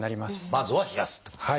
まずは冷やすっていうことですね。